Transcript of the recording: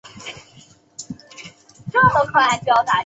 永禄三年继承家督。